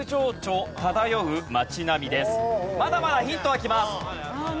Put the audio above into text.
まだまだヒントはきます！